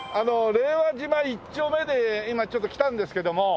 令和島一丁目で今ちょっと来たんですけども。